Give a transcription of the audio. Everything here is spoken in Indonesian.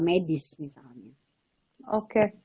medis misalnya oke